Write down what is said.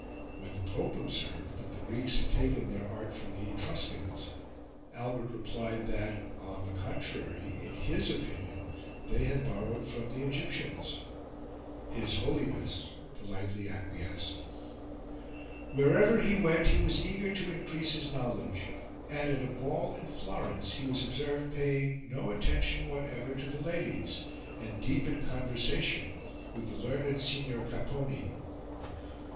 When the Pope observed that the Greeks had taken their art from the Etruscans, Albert replied that, on the contrary, in his opinion, they had borrowed from the Egyptians: his Holiness politely acquiesced. Wherever he went he was eager to increase his knowledge, and, at a ball in Florence, he was observed paying no attention whatever to the ladies, and deep in conversation with the learned Signor Capponi.